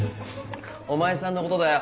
お前さんのことだよ